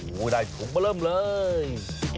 โอ้โหได้ถุงมาเริ่มเลย